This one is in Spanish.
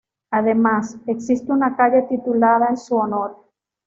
Además, existe una calle titulada en su honor.